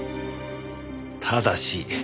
ただし。